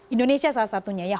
indonesia salah satunya ya